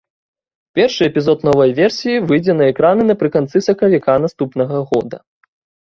Першы эпізод новай версіі выйдзе на экраны напрыканцы сакавіка наступнага года.